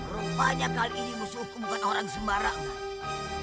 rupanya kali ini musuhku bukan orang sembarangan